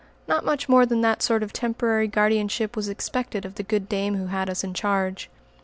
Not much more than that sort of temporary guardianship was expected of the good dame who had us in charge.